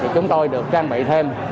chúng tôi được trang bị thêm